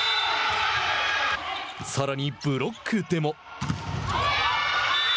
さらにブロックでも。